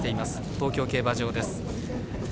東京競馬場です。